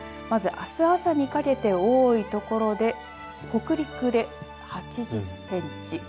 まず、あす朝にかけて多い所で北陸で８０センチ